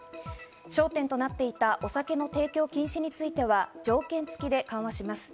焦点となっていたお酒の提供禁止については、条件つきで緩和します。